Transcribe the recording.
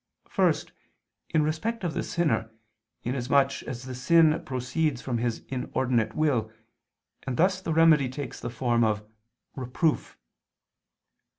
First, in respect of the sinner, inasmuch as the sin proceeds from his inordinate will, and thus the remedy takes the form of _reproof.